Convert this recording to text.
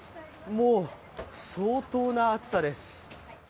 もう、相当な暑さです。